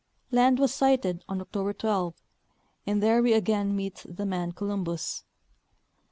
Land was sighted on October 12, and there we again meet the man Columljus.